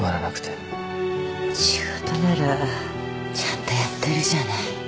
仕事ならちゃんとやってるじゃない。